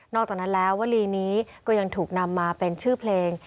อกจากนั้นแล้ววลีนี้ก็ยังถูกนำมาเป็นชื่อเพลง